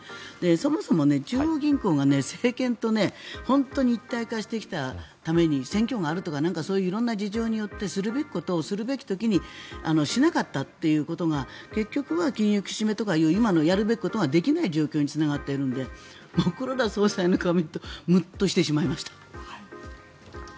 そもそも中央銀行が政権と本当に一体化してきたために選挙があるとかそういう事情によってするべきことをするべき時にしなかったということが結局は金融引き締めとか今やるべきことができない状況につながっているので黒田総裁の顔を見るとムッとしてしまいました。